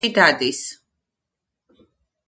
საბა ჯიმში დადის